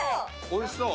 おいしそう。